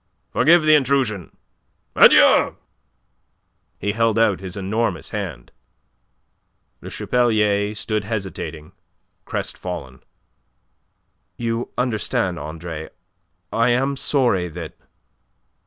Forgive the intrusion. Adieu!" He held out his enormous hand.. Le Chapelier stood hesitating, crestfallen. "You understand, Andre? I am sorry that..."